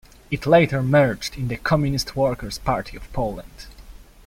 It later merged into the Communist Workers Party of Poland.